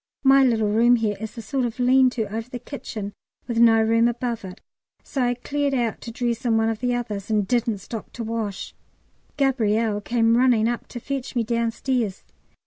My little room here is a sort of lean to over the kitchen with no room above it; so I cleared out to dress in one of the others, and didn't stop to wash. Gabrielle came running up to fetch me downstairs.